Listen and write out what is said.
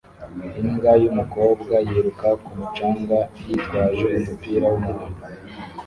Imbwa yumukobwa yiruka ku mucanga yitwaje umupira wumuhondo